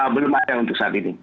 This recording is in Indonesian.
belum ada untuk saat ini